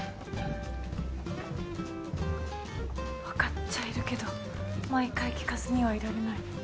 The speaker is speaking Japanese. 分かっちゃいるけど毎回聞かずにはいられない。